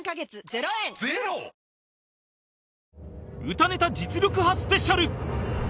歌ネタ実力刃スペシャル